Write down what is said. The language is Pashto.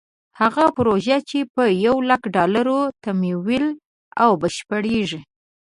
هغه پروژه چې په یو لک ډالرو تمویل او بشپړېږي.